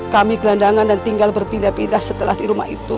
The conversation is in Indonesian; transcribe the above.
kami gelandangan dan tinggal berpindah pindah setelah di rumah itu